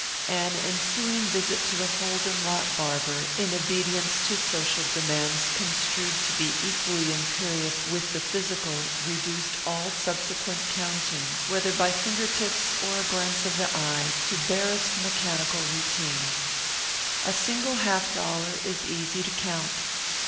An ensuing visit to the Holden lot barber, in obedience to social demands construed to be equally imperious with the physical, reduced all subsequent counting, whether by fingertips or a glance of the eye, to barest mechanical routine. A single half dollar is easy to count.